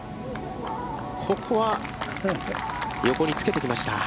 ここは、横につけてきました。